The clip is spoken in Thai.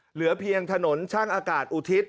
เหลือเพียงถนนช่างอากาศอุทิศ